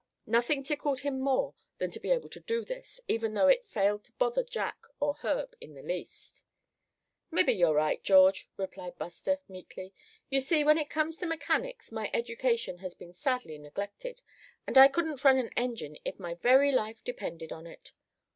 Nothing tickled him more than to be able to do this, even though it failed to bother Jack or Herb in the least. "Mebbe you're right, George," replied Buster, meekly, "you see, when it comes to mechanics my education has been sadly neglected, and I couldn't run an engine if my very life depended on it.